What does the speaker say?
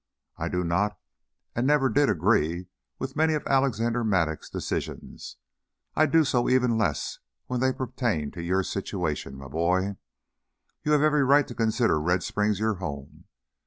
"I do not and never did agree with many of Alexander Mattock's decisions. I do so even less when they pertain to your situation, my boy. You have every right to consider Red Springs your home.